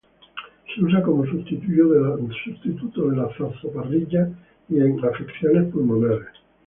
Se usa como sustituto de la zarzaparrilla y en afecciones pulmonares.